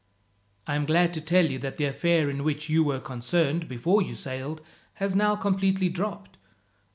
"I am glad to tell you that the affair in which you were concerned, before you sailed, has now completely dropped.